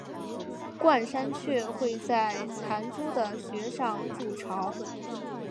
冠山雀会在残株的穴上筑巢。